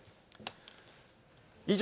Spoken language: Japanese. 以上、